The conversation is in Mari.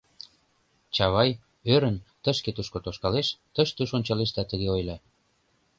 Чавай, ӧрын, тышке-тушко тошкалеш, тыш-туш ончалеш да тыге ойла: